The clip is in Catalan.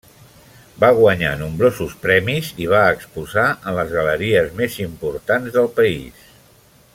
Va guanyar nombrosos premis i va exposar en les galeries més importants del país.